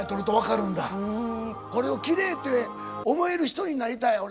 これをキレイって思える人になりたい俺。